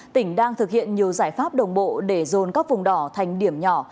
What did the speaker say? tỉnh đang thực hiện nhiều giải pháp đồng bộ để dồn các vùng đỏ thành điểm nhỏ